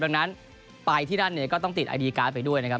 ดังนั้นไปที่นั่นเนี่ยก็ต้องติดไอดีการ์ดไปด้วยนะครับ